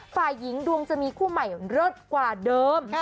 ฝ่ายหญิงดวงจะมีคู่ใหม่เลิศกว่าเดิม